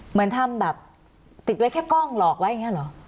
เหมือนทำแบบติดไว้แค่กล้องหลอกไว้อย่างนี้เหรอ